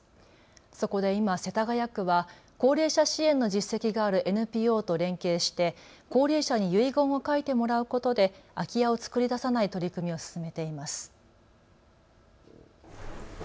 そこで今、世田谷区は高齢者支援の実績があるＮＰＯと連携して高齢者に遺言を書いてもらうことで空き家を作り出さない取り組みを進めています。